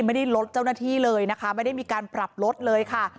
ไม่ได้ลดเจ้าหน้าที่เลยนะคะไม่ได้มีการปรับลดเลยค่ะ